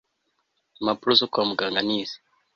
impapuro zo kwamuganga nizi